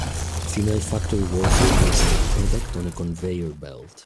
A female factory worker placing a product on a conveyor belt.